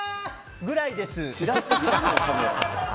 ぐらいです。